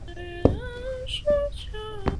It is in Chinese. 生于墨西哥特拉斯卡拉州特拉斯卡拉市。